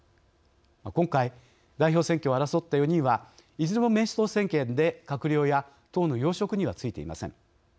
今回、代表選挙を争った４人はいずれも民主党政権で閣僚や党の要職には就いていません。